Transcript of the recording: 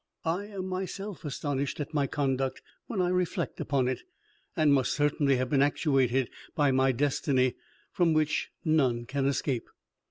I am myself astonished at my conduct when I reflect upon it, and must certainly have been actuated by my destiny, from which none can escape.